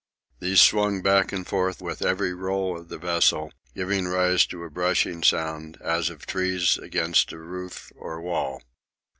These swung back and forth with every roll of the vessel, giving rise to a brushing sound, as of trees against a roof or wall.